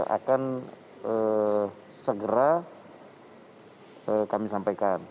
akan segera kami sampaikan